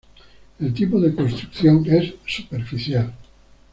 El tipo de construcción es superficial.